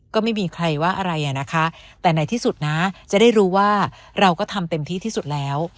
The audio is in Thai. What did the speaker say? ก็ไม่มีใครว่าอะไรอ่ะนะคะแต่ในที่สุดนะจะได้รู้ว่าเราก็ทำเต็มที่ที่สุดแล้ว